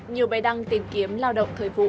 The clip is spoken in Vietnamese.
nhiều bài đăng tìm kiếm lao động thời vụ